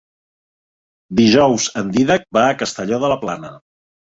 Dijous en Dídac va a Castelló de la Plana.